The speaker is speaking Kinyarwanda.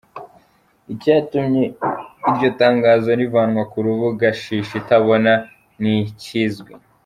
Icyatumye iryo tangazo rivanwa ku rubuga shishi itabona ntikizwi.